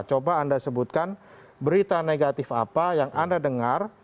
coba anda sebutkan berita negatif apa yang anda dengar